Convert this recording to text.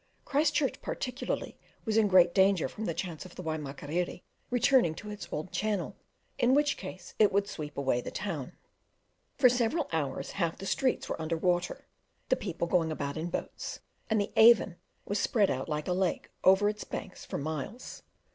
Christchurch particularly was in great danger from the chance of the Waimakiriri returning to its old channel, in which case it would sweep away the town. For several hours half the streets were under water, the people going about in boats, and the Avon was spread out like a lake over its banks for miles.